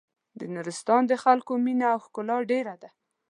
د نورستان د خلکو مينه او ښکلا ډېره ده.